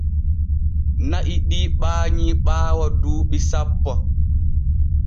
Na’i ɗi ɓaanyi ɓaawo duuɓi sappo.